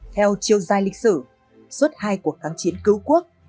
theo triều dai lịch sử suốt hai cuộc kháng chiến cứu quốc